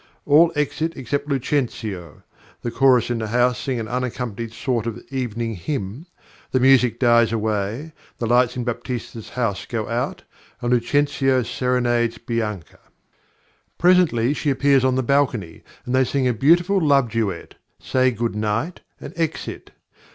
All exit except Lucentio; the chorus in the house sing an unaccompanied sort of evening hymn, the music dies away, the lights in Baptista's house go out, and Lucentio serenades Bianca. Presently she appears on the balcony, and they sing a beautiful love duet, say good night, and exit.